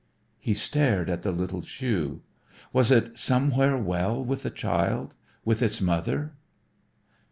He stared at the little shoe. Was it somewhere well with the child, with its mother?